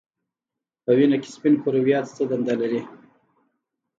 په وینه کې سپین کرویات څه دنده لري